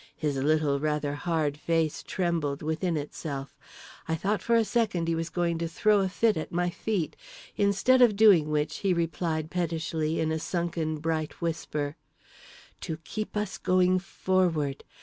His little rather hard face trembled within itself. I thought for a second he was going to throw a fit at my feet—instead of doing which he replied pettishly, in a sunken bright whisper: "To keep us going forward.